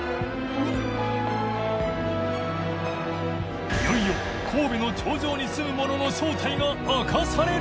磴い茲い神戸の頂上に住む者の正体が明かされる！